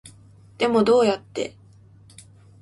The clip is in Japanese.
でもどうやって